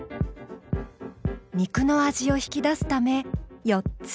肉の味を引き出すため４つだけ。